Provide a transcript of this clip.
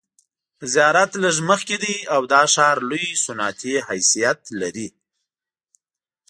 زیارت لږ مخکې دی او دا ښار لوی صنعتي حیثیت لري.